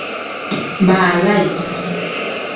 Balaayi.